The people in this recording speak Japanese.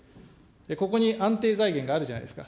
ここに安定財源があるじゃないですか。